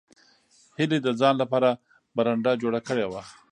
هیلې د ځان لپاره برنډه جوړه کړې وه